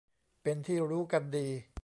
เป็นที่รู้กันดี